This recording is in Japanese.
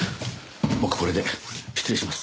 僕これで失礼します。